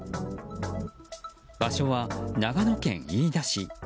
場所は長野県飯田市。